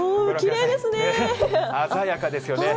鮮やかですよね。